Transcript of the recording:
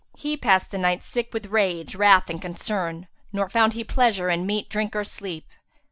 He passed the night, sick with rage, wrath and concern; nor found he pleasure in meat, drink or sleep.